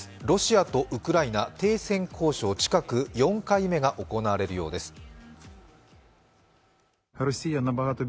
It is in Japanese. ロシアとウクライナ、停戦交渉、近く４回目が行われるようです。